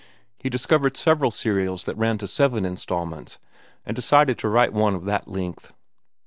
He discovered several serials that ran to seven instalments, and decided to write one of that length.